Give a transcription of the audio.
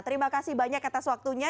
terima kasih banyak atas waktunya